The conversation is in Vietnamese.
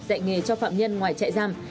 dạy nghề cho phạm nhân ngoài chạy giam